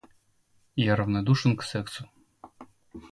Я равнодушен к сексу.